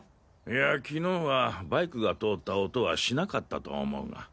いや昨日はバイクが通った音はしなかったと思うが。